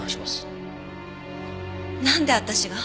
なんで私が？